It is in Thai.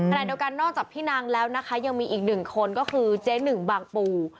ขนาดเดี๋ยวกันนอกจากพี่นางแล้วนะคะยังมีอีก๑คนก็คือเจนึงบังปู่